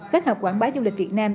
kết hợp quảng bá du lịch việt nam